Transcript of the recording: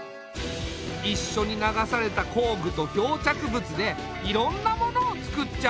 一緒に流された工具と漂着物でいろんなものをつくっちゃう。